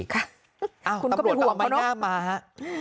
ค่ะคุณก็เป็นห่วงเขาเนอะอ้าวตำรวจต้องไม่ง่ามาฮะ